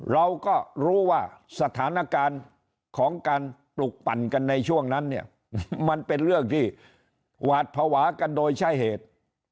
เราก็รู้ว่าสถานการณ์ของการปลุกปั่นกันในช่วงนั้นเนี่ยมันเป็นเรื่องที่หวาดภาวะกันโดยใช้เหตุ